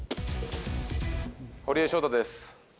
堀江翔太です。